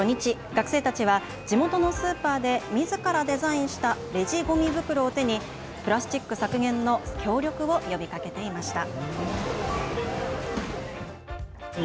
学生たちは地元のスーパーでみずからデザインしたレジごみ袋を手にプラスチック削減の協力を呼びかけていました。